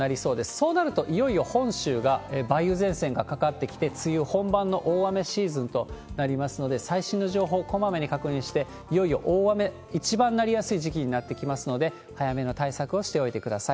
そうなると、いよいよ本州が梅雨前線がかかってきて、梅雨本番の大雨シーズンとなりますので、最新の情報をこまめに確認して、いよいよ大雨、一番なりやすい時期になってきますので、早めの対策をしておいてください。